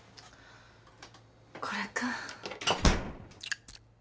これか。